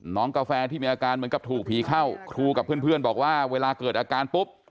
กาแฟที่มีอาการเหมือนกับถูกผีเข้าครูกับเพื่อนบอกว่าเวลาเกิดอาการปุ๊บ